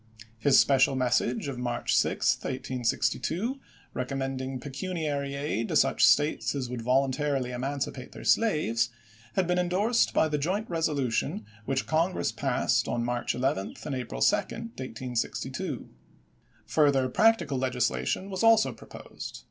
His special message of March 6, 1862, recommending pecuniary aid to such States as would voluntarily emancipate their slaves, had been indorsed by the joint resolution which Congress passed on March 11 and April 2, 1862. Further practical legislation was also pro posed.